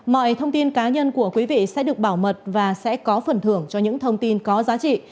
mọi thông tin cá nhân của quý vị sẽ được bảo mật và sẽ có phần thưởng cho những thông tin có giá trị